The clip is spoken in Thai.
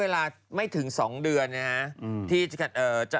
ลายเป็นเรื่อยเลย